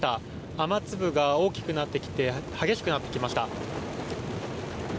雨粒が大きくなってきていて激しくなってきました。